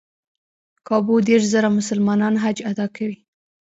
کابو دېرش زره مسلمانان حج ادا کوي.